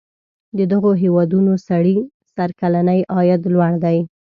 د دغو هیوادونو سړي سر کلنی عاید لوړ دی.